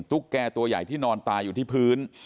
แกตัวใหญ่ที่นอนตายอยู่ที่พื้น